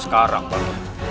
mendapati janggut kaminan